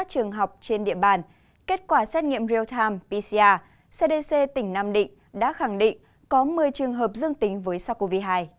trong real time pcr cdc tỉnh nam định đã khẳng định có một mươi trường hợp dân tính với sars cov hai